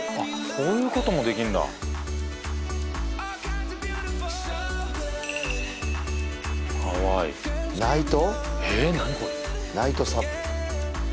こういうこともできんだハワイナイト？